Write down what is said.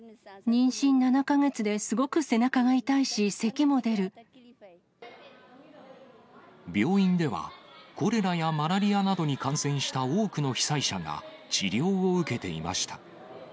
妊娠７か月ですごく背中が痛病院では、コレラやマラリアなどに感染した多くの被災者が、治療を受けていました。